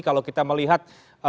kalau kita melihat